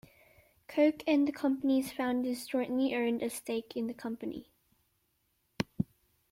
Coke and the company's founders jointly owned a stake in the company.